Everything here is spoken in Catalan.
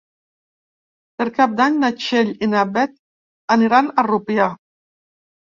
Per Cap d'Any na Txell i na Beth aniran a Rupià.